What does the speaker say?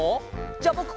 じゃぼく